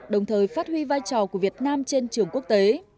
đồng thời phát huy vai trò của việt nam trên trường quốc tế